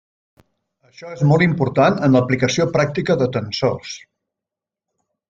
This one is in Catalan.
Això és molt important en l'aplicació pràctica de tensors.